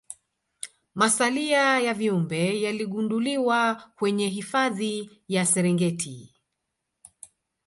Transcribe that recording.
Masalia ya viumbe yaligunduliwa kwenye hifadhi ya serengeti